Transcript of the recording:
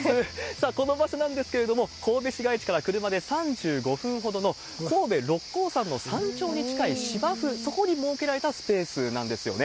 さあ、この場所なんですけれども、神戸市街地から車で３５分ほどの、神戸・六甲山の山頂に近い芝生、そこに設けられたスペースなんですよね。